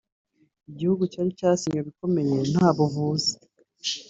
igihugu cyari cyasenywe bikomeye nta buvuzi